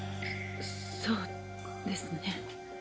そうですね。